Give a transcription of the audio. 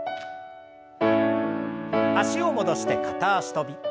脚を戻して片脚跳び。